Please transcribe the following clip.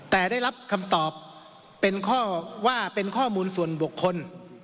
แต่ได้รับคำตอบว่าเป็นข้อมูลส่วนบ่วงคน